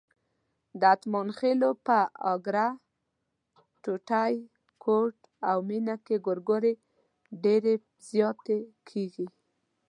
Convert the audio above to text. د اتمانخېلو په اګره، ټوټی، کوټ او مېنه کې ګورګورې ډېرې زیاتې کېږي.